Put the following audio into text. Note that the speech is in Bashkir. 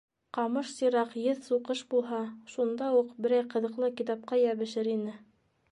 «Ҡамыш сираҡ, еҙ суҡыш» булһа, шунда уҡ берәй ҡыҙыҡлы китапҡа йәбешер ине.